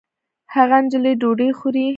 هغه نجلۍ ډوډۍ خوري